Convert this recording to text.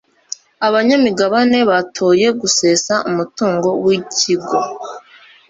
abanyamigabane batoye gusesa umutungo wikigo